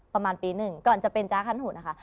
ประมาณปี๑ก่อนจะเป็นจ๊้าขั้นหุ่นนะคะ